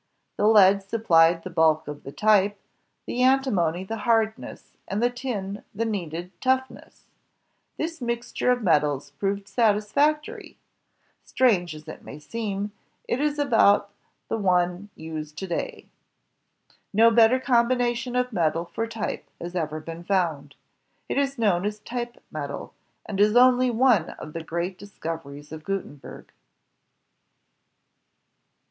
The lead suppUed the bulk of the type, the antimony the hardness, and the tin the needed toughness. This mixture of metals* proved satisfactory. Strange as it may seem, it is about the one used to day. No better combination of metal for type has ever been found. It is known as type metal, and is only one of the great discoveries of Gutenberg.